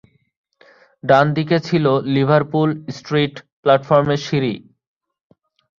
ডান দিকে ছিল Liverpool Street প্ল্যাটফর্মের সিঁড়ি।